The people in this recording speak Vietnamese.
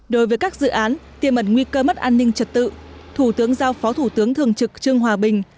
đối với các dự án tiềm mẩn nguy cơ mất an ninh trật tự thủ tướng giao phó thủ tướng thường trực trương hòa bình